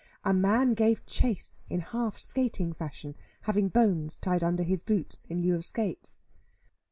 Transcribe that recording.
A man gave chase in half skating fashion, having bones tied under his boots, in lieu of skates.